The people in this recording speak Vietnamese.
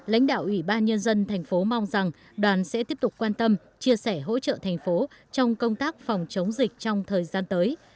lãnh đạo ủy ban nhân dân thành phố mong rằng đoàn sẽ tiếp tục quan tâm chia sẻ hỗ trợ thành phố trong công tác phòng chống dịch trong thời gian tới